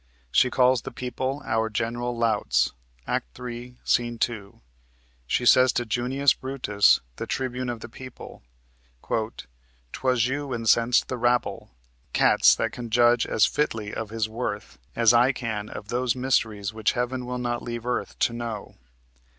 She calls the people "our general louts" (Act 3, Sc. 2). She says to Junius Brutus, the tribune of the people: "'Twas you incensed the rabble, Cats, that can judge as fitly of his worth As I can of those mysteries which Heaven Will not leave Earth to know."